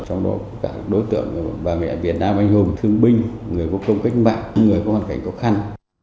trong đó cả đối tượng là bà mẹ việt nam anh hùng thương binh người có công kích mạng người có hoàn cảnh khó khăn